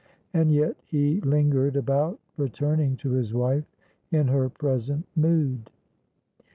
And yet he lingered about returning to his wife in her present mood.